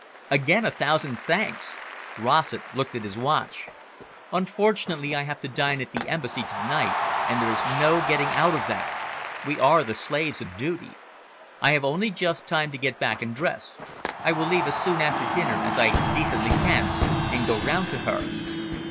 "Again a thousand thanks." Rossett looked at his watch. "Unfortunately, I have to dine at the Embassy to night, and there is no getting out of that. We are the slaves of duty. I have only just time to get back and dress. I will leave as soon after dinner as I decently can, and go round to her."